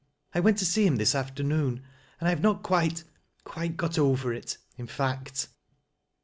I went to see him this afternooUj and I have not quite — quite got over it, in fact."